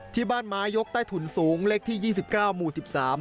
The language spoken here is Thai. ที่บ้านมายกใต้ถุนสูงเลขที่ยี่สิบเก้าหมู่สิบสาม